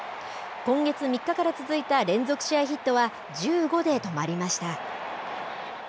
今月３日から続いた連続試合ヒットは、１５で止まりました。